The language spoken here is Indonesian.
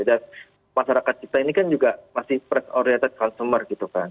dan masyarakat kita ini kan juga masih press oriented consumer gitu kan